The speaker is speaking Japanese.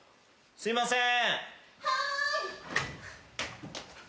すいません。